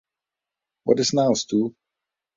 What is now Sto.